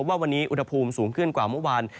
ว่าวันนี้อุณหภูมิสูงขึ้นกว่าเมื่อวาน